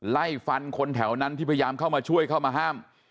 ไล่ฟันคนแถวนั้นที่พยายามเข้ามาช่วยเข้ามาห้าม